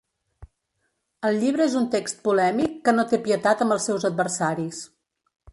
El llibre és un text polèmic que no té pietat amb els seus adversaris.